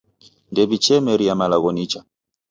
Ndew'ichemeria malagho nicha.